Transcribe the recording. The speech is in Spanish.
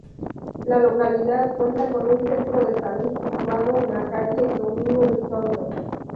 La localidad cuenta con un centro de salud situado en la calle Domingo Elizondo.